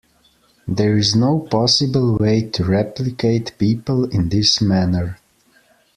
There is no possible way to replicate people in this manner.